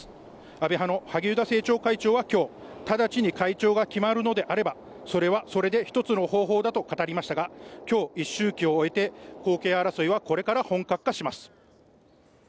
安倍派の萩生田政調会長は今日、ただちに会長が決まるのであればそれはそれで１つの方法だと語りましたが今日、一周忌を終えて、後継争いはこれから本格化します。